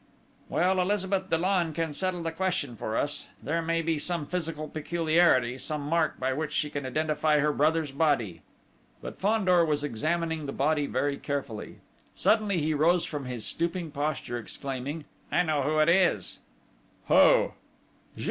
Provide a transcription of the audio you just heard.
"Well, Elizabeth Dollon can settle the question for us. There may be some physical peculiarity, some mark by which she can identify her brother's body!" But Fandor was examining the body very carefully. Suddenly he rose from his stooping posture, exclaiming: "I know who it is!" "Who?"